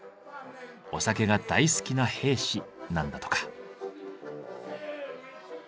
お酒が大好きな兵士なんだとか。